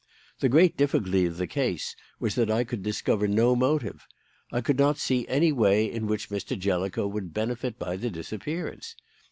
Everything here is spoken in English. The great difficulty of the case was that I could discover no motive. I could not see any way in which Mr. Jellicoe would benefit by the disappearance.